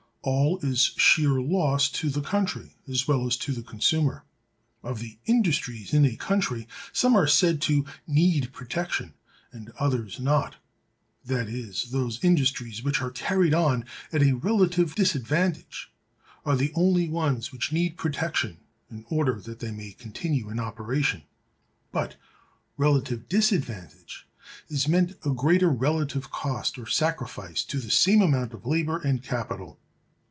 All is sheer loss to the country as well as to the consumer. Of the industries in a country some are said to "need protection" and others not—that is, those industries which are carried on at a relative disadvantage are the only ones which need protection in order that they may continue in operation. By relative disadvantage is meant a greater relative cost, or sacrifice, to the same amount of labor and capital.